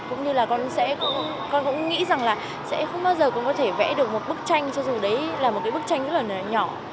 cũng như là con cũng nghĩ rằng là sẽ không bao giờ con có thể vẽ được một bức tranh cho dù đấy là một cái bức tranh rất là nhỏ